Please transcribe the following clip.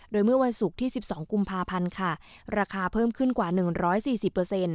โดยเมื่อวันศุกร์ที่๑๒กุมภาพันธ์ค่ะราคาเพิ่มขึ้นกว่า๑๔๐